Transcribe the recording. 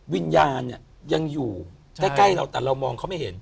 วิญญาณเนี่ยยังอยู่ใกล้เราแต่เรามองเขาไม่เห็น